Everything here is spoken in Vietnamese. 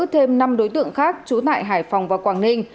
thêm năm đối tượng khác trú tại hải phòng và quảng ninh